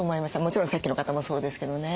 もちろんさっきの方もそうですけどね。